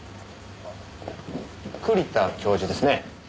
栗田教授ですね？